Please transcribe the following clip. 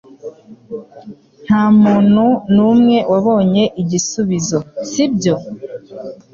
Nta muntu n'umwe wabonye igisubizo, sibyo?